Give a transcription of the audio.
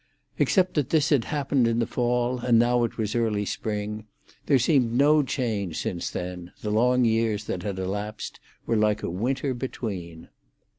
Except that this had happened in the fall, and now it was early spring, there seemed no change since then; the long years that had elapsed were like a winter between.